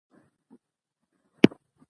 مورغاب سیند د افغانستان د ښکلي طبیعت برخه ده.